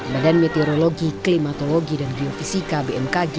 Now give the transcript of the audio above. badan meteorologi klimatologi dan geofisika bmkg